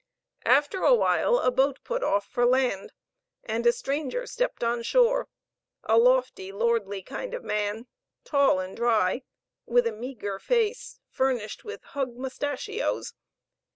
After a while a boat put off for land, and a stranger stepped on shore, a lofty, lordly kind of man, tall and dry, with a meager face, furnished with hug mustachios.